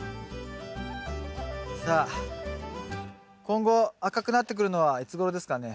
さあ今後赤くなってくるのはいつごろですかね？